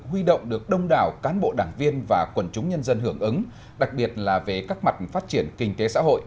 huy động được đông đảo cán bộ đảng viên và quần chúng nhân dân hưởng ứng đặc biệt là về các mặt phát triển kinh tế xã hội